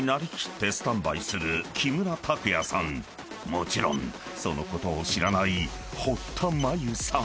［もちろんそのことを知らない堀田真由さん］